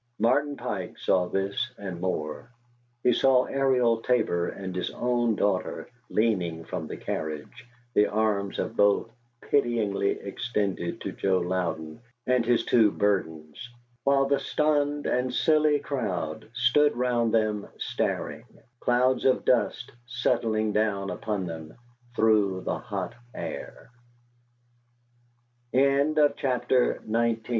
Martin Pike saw this and more; he saw Ariel Tabor and his own daughter leaning from the carriage, the arms of both pityingly extended to Joe Louden and his two burdens, while the stunned and silly crowd stood round them staring, clouds of dust settling down upon them through the hot air. XX THREE ARE ENLISTED Now in that blazing noon Canaa